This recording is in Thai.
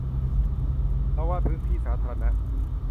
เราวาดพื้นที่สาธารณะ